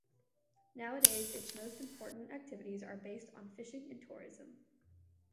Nowadays its most important activities are based on fishing and tourism.